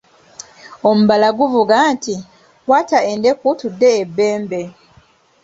Omubala guvuga nti, ῝Kwata eddeku tudde e Bbembe.”